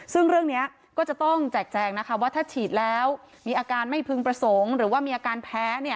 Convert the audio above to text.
ซึ่งเรื่องนี้ก็จะต้องแจกแจงนะคะว่าถ้าฉีดแล้วมีอาการไม่พึงประสงค์หรือว่ามีอาการแพ้